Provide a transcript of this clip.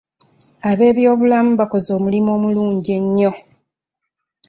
Ab'ebyobulamu bakoze omulimu omulungi ennyo